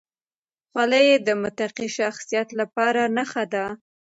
خولۍ د متقي شخصیت لپاره نښه ده.